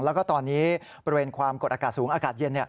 แล้วก็ตอนนี้บริเวณความกดอากาศสูงอากาศเย็น